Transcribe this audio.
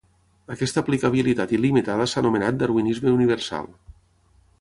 Aquesta aplicabilitat il·limitada s'ha anomenat darwinisme universal.